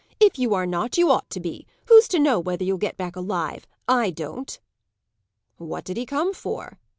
If you are not, you ought to be. Who's to know whether you'll get back alive? I don't." "What did he come for?"